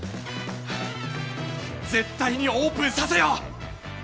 絶対にオープンさせよう！